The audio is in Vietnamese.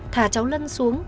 thả cháu lân xuống